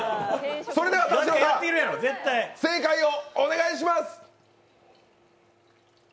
それでは田城さん、正解をお願いします。